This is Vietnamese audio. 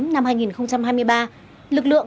năm hai nghìn hai mươi ba lực lượng